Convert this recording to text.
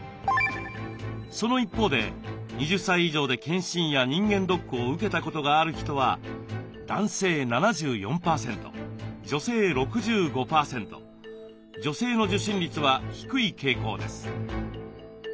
その一方で２０歳以上で健診や人間ドックを受けたことがある人は女性の受診率は低い傾向です。